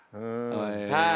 はい。